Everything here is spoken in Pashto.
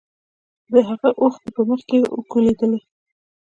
د هغې اوښکې په مخ وکولېدلې.